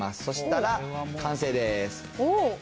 そしたら完成です。